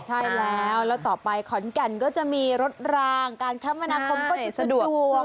ใช่แล้วแล้วต่อไปขอนแก่นก็จะมีรถรางการคมนาคมก็จะสะดวก